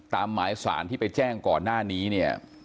ตามหมายศาลที่ไปแจ้งก่อนหน้านี้